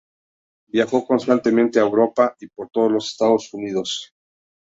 Viajó constantemente a Europa y por todos los Estados Unidos.